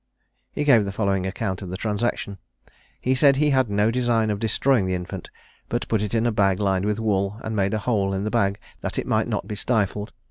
He gave the following account of the transaction: He said he had no design of destroying the infant, but put it in a bag lined with wool, and made a hole in the bag that it might not be stifled.